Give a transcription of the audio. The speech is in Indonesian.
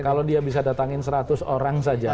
kalau dia bisa datangin seratus orang saja